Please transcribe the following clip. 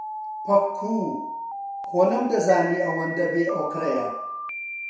پەکوو، خۆ نەمدەزانی ئەوەندە بێئۆقرەیە.